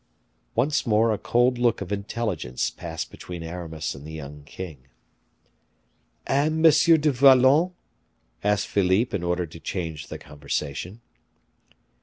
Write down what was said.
Once more a cold look of intelligence passed between Aramis and the young king. "And M. du Vallon?" asked Philippe in order to change the conversation.